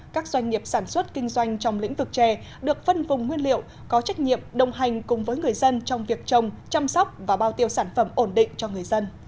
các doanh nghiệp sản xuất kinh doanh trong lĩnh vực chè được phân vùng nguyên liệu có trách nhiệm đồng hành cùng với người dân trong việc trồng chăm sóc và bao tiêu sản phẩm ổn định cho người dân